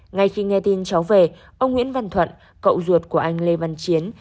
ngay khi nghe tin cháu về ông nguyễn văn thuận cậu ruột của anh lê văn chiến